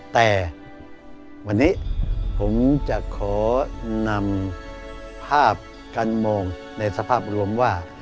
แต่วันนี้ผมจะขอนำภาพการมองในสภาพรวมว่า